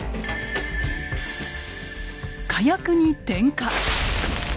火薬に点火！